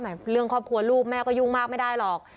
เรื่องครอบครัวลูกแม่ก็ยุ่งมากไม่ได้หรอก